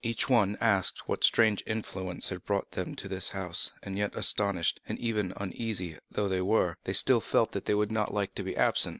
Each one asked what strange influence had brought them to this house, and yet astonished, even uneasy though they were, they still felt that they would not like to be absent.